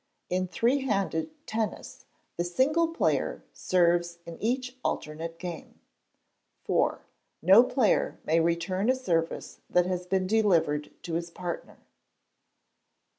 In Three handed Tennis the single player serves in each alternate game. iv. No player may return a service that has been delivered to his partner.